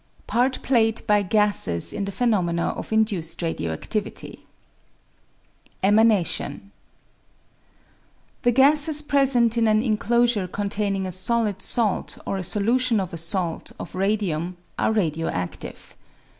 Pari played by Gases in the Phenomena of Induced Radio activity. Emanation.— The gases present in an enclosure containing a solid salt or a solution of a salt of radium are radio adive.